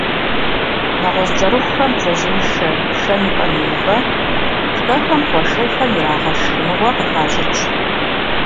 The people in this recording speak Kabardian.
НэгъуэщӀ кӀэрыхухэм «бдзэжьеишэ», шэм и пӀэ иувэ, шкӀэхэм, кхъуэшырхэм ирагъэшх шхыныгъуэ къыхащӀыкӀ.